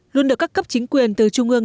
luôn được các cấp chính quyền từ trung ương